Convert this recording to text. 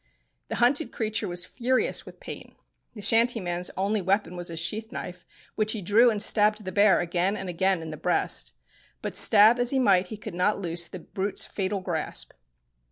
The hunted creature was furious with pain. The shanty man's only weapon was his sheath knife, which he drew and stabbed the bear again and again in the breast. But stab as he might he could not loose the brute's fatal grasp.